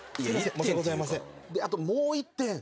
申し訳ございません。